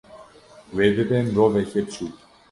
wê bibe miroveke piçûk